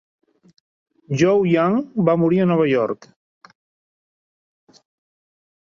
Joe Young va morir a Nova York.